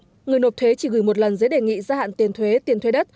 theo dự thảo người nộp thuế chỉ gửi một lần giấy đề nghị gia hạn tiền thuế tiền thuế đất